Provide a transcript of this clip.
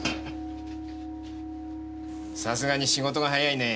さすがに仕事が早いね。